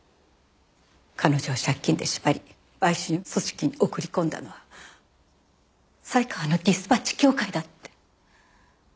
彼女を借金で縛り売春組織に送り込んだのは犀川のディスパッチ協会だって。